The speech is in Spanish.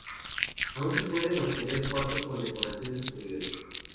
Aún se pueden obtener cuatro condecoraciones superiores.